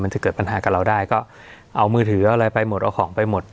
จะเกิดปัญหากับเราได้ก็เอามือถืออะไรไปหมดเอาของไปหมด